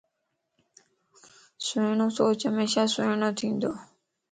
سھڻو سوچ ھميشا سھڻو ڇندو